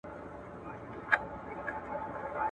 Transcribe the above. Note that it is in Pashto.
فطرت يې وران سو